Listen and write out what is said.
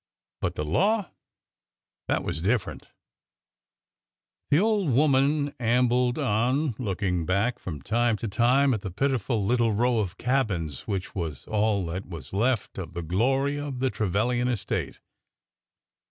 But the law!— that was different. THE PROVOST MARSHAL 321 The old woman ambled on, looking back from time to time at the pitiful little row of cabins which was all that was left of the glory of the Trevilian estate.